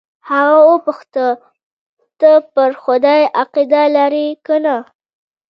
هغه وپوښتل ته پر خدای عقیده لرې که نه.